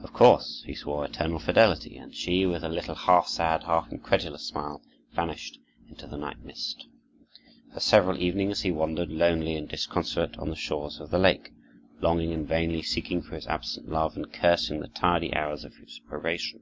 Of course, he swore eternal fidelity, and she, with a little half sad, half incredulous smile, vanished into the night mist. For several evenings he wandered, lonely and disconsolate, on the shores of the lake, longing and vainly seeking for his absent love and cursing the tardy hours of his probation.